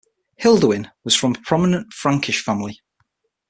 Hilduin was from a prominent Frankish family.